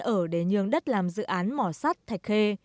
ở để nhường đất làm dự án mỏ sắt thạch khê